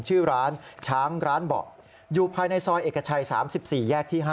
ชื่อร้านช้างร้านเบาะอยู่ภายในซอยเอกชัย๓๔แยกที่๕